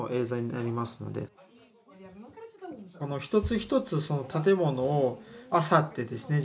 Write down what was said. この一つ一つ建物をあさってですね